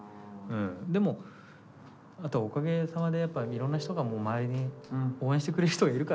でもあとおかげさまでやっぱいろんな人が周りに応援してくれる人がいるから。